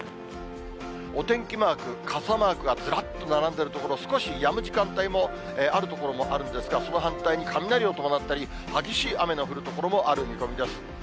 お天気マーク、傘マークがずらっと並んでる所、少しやむ時間帯もある所もあるんですが、その反対に、雷を伴ったり、激しい雨の降る所もある見込みです。